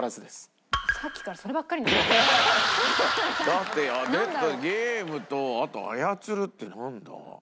だってゲームとあと操るってなんだ？